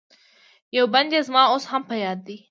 یو بند یې زما اوس هم په یاد دی.